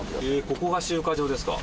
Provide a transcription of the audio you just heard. ここが集荷場ですか。